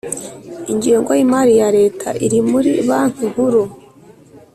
Ingengo y’imari ya Leta iri muri Banki Nkuru